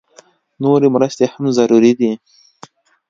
نورې مرستې هم ضروري دي